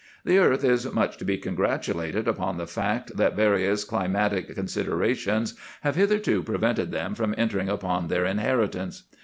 The earth is much to be congratulated upon the fact that various climatic considerations have hitherto prevented them from entering upon their inheritance.